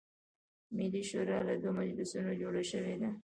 ملي شورا له دوه مجلسونو جوړه شوې ده.